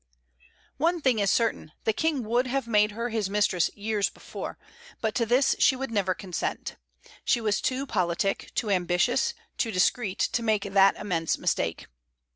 One thing is certain, the King would have made her his mistress years before; but to this she would never consent. She was too politic, too ambitious, too discreet, to make that immense mistake.